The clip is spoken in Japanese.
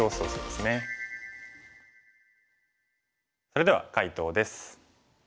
それでは解答です。